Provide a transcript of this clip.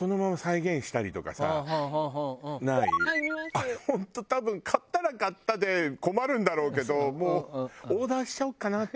あれ本当多分買ったら買ったで困るんだろうけどもうオーダーしちゃおうかなって。